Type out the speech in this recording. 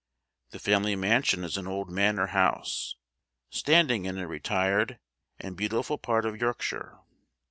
The family mansion is an old manor house, standing in a retired and beautiful part of Yorkshire.